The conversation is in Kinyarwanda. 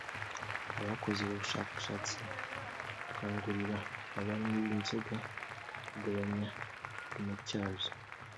Abakoze ubu bushakashatsi bakangurira abanywi b’inzoga kugabanya igipimo cyazo